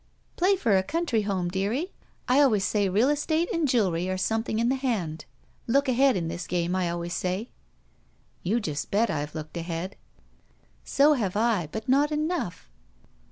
"Play for a country home, dearie. I always say real estate and jewelry are something in the hand. Look ahead in this game, I always say." "You just bet I've looked ahead." "So have I, but not enough."